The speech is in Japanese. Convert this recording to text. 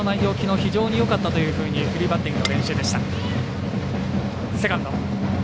非常によかったというふうにフリーバッティングの練習でした。